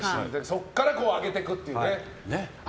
そこから上げていくっていう。